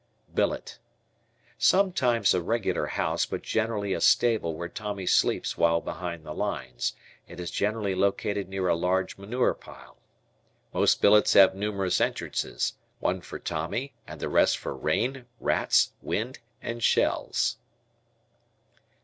Billet. Sometimes a regular house but generally a stable where Tommy sleeps while behind the lines. It is generally located near a large manure pile. Most billets have numerous entrances one for Tommy and the rest for rain, rats, wind, and shells.